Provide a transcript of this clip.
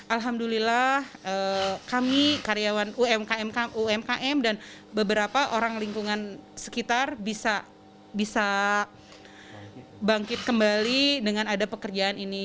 alhamdulillah kami karyawan umkm dan beberapa orang lingkungan sekitar bisa bangkit kembali dengan ada pekerjaan ini